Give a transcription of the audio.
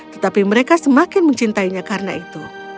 tetapi mereka semakin mencintainya karena itu